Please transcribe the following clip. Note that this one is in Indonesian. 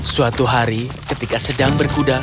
suatu hari ketika sedang berkuda